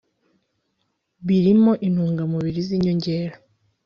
birimo intungamubiri z'inyongera